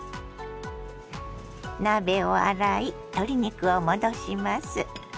鍋を洗い鶏肉を戻します。